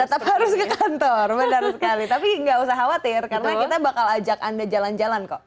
tetap harus ke kantor benar sekali tapi nggak usah khawatir karena kita bakal ajak anda jalan jalan kok